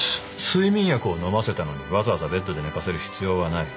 睡眠薬を飲ませたのにわざわざベッドで寝かせる必要はない。